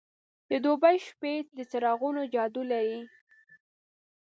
د دوبی شپې د څراغونو جادو لري.